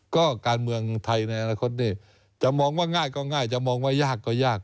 ก็การเมืองไทยในอนาคตนี้จะมองว่าง่ายก็ง่ายจะมองว่ายากก็ยาก